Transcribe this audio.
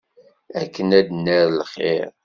Akken ad nerr lxir.